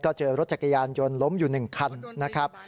ก็เจอรถจักรยานยนต์ล้มอยู่๑คันนะครับ